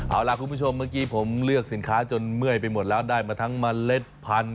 เอาล่ะคุณผู้ชมเมื่อกี้ผมเลือกสินค้าจนเมื่อยไปหมดแล้วได้มาทั้งเมล็ดพันธ